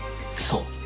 そう。